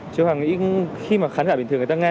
chứ còn nghĩ khi mà khán giả bình thường người ta nghe